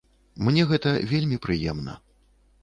Мне гэта вельмі прыемна.